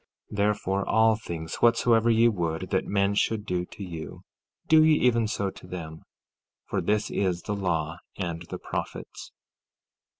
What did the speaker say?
14:12 Therefore, all things whatsoever ye would that men should do to you, do ye even so to them, for this is the law and the prophets.